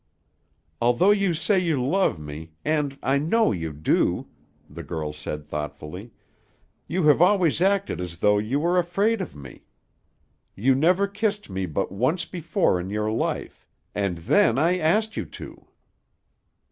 "Although you say you love me, and I know you do," the girl said thoughtfully, "you have always acted as though you were afraid of me. You never kissed me but once before in your life, and then I asked you to."